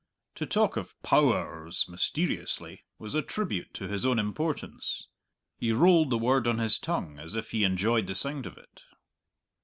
To talk of "Pow ers," mysteriously, was a tribute to his own importance. He rolled the word on his tongue as if he enjoyed the sound of it.